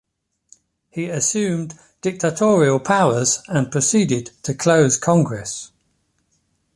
He assumed dictatorial powers and proceeded to close Congress.